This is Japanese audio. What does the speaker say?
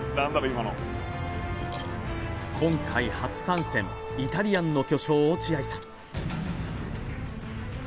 今回初参戦イタリアンの巨匠落合さん